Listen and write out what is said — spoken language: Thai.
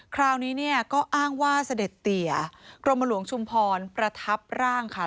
คราวนี้เนี่ยก็อ้างว่าเสด็จเตียกรมหลวงชุมพรประทับร่างค่ะ